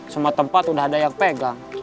semua tempat udah ada yang pegang